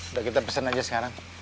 udah kita pesan aja sekarang